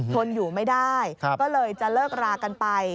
ทนอยู่ไม่ได้ก็เลยจะเลิกรากันไป